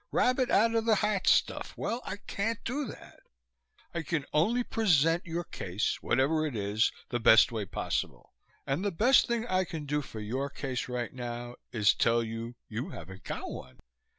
Rabbit out of the hat stuff. Well, I can't do that. I can only present your case, whatever it is, the best way possible. And the best thing I can do for your case right now is tell you you haven't got one."